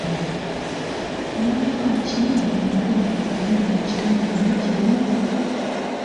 Mulamwa ki omukulu oguli mu kitontome kino?